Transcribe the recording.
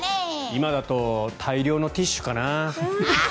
今だと大量のティッシュかな。